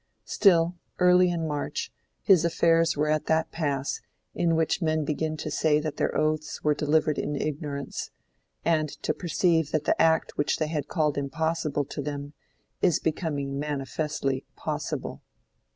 Still, early in March his affairs were at that pass in which men begin to say that their oaths were delivered in ignorance, and to perceive that the act which they had called impossible to them is becoming manifestly possible.